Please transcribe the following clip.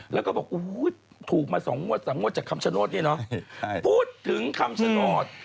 แล้วก็บอกถูกมา๒งวด๓งวดจากคำชโนธเนี่ยเนอะพูดถึงคำชโนธ